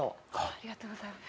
ありがとうございます。